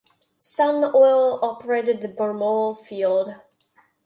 Sun Oil operated the Balmoral field.